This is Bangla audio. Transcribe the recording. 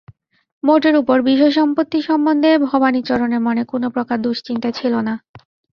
মোটের উপরে বিষয়সম্পত্তি সম্বন্ধে ভবানীচরণের মনে কোনোপ্রকার দুশ্চিন্তা ছিল না।